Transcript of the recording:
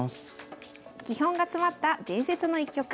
基本が詰まった伝説の一局。